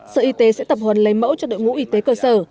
sở y tế sẽ tập huấn lấy mẫu cho đội ngũ y tế cơ sở